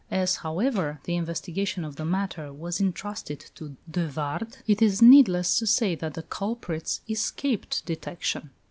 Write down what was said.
As, however, the investigation of the matter was entrusted to de Vardes, it is needless to say that the culprits escaped detection.